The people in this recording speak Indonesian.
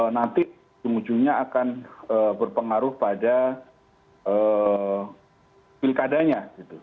nanti ujung ujungnya akan berpengaruh pada pilkadanya